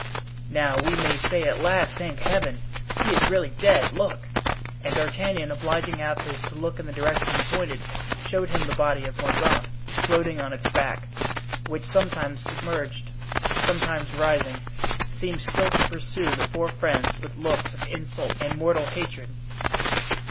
now we may say at last, thank Heaven! he is really dead. Look!" and D'Artagnan, obliging Athos to look in the direction he pointed, showed him the body of Mordaunt floating on its back, which, sometimes submerged, sometimes rising, seemed still to pursue the four friends with looks of insult and mortal hatred.